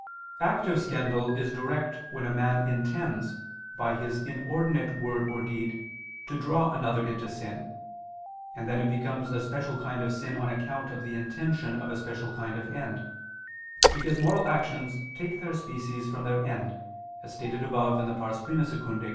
Active scandal is direct when a man intends, by his inordinate word or deed, to draw another into sin, and then it becomes a special kind of sin on account of the intention of a special kind of end, because moral actions take their species from their end, as stated above (I II, Q.